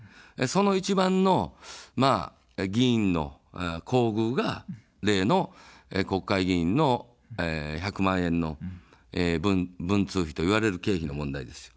その一番の議員の厚遇が、例の国会議員の１００万円の文通費といわれる経費の問題です。